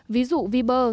ví dụ viber